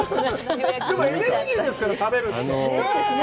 でも、エネルギーですから、食べるって。